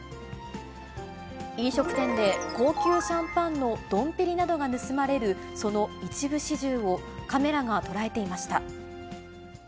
飲食店で高級シャンパンのドンペリなどが盗まれる、その一部始終を、カメラが捉えていました。